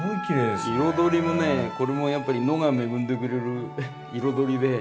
彩りもねこれもやっぱり野が恵んでくれる彩りで。